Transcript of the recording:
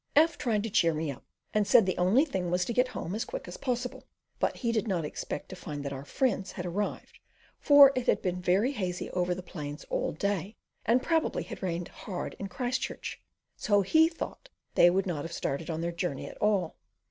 F tried to cheer me up, and said the only thing was to get home as quick as possible; but he did not expect to find that our friends had arrived, for it had been very hazy over the plains all day, and probably had rained hard in Christchurch; so he thought they would not have started on their journey at all.